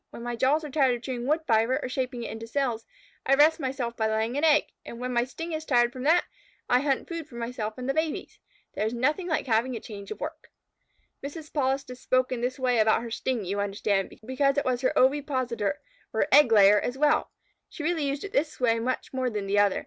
When my jaws are tired of chewing wood fibre or shaping it into cells, I rest myself by laying an egg. And when my sting is tired from that, I hunt food for myself and the babies. There is nothing like having a change of work." Mrs. Polistes spoke in this way about her sting, you understand, because it was her ovipositor, or egg layer, as well. She really used it in this way much more than the other.